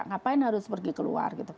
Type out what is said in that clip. ngapain harus pergi keluar